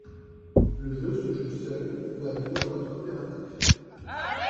Le jeu se joue seul, ou à deux en mode coopératif.